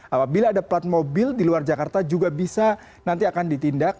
apabila ada plat mobil di luar jakarta juga bisa nanti akan ditindak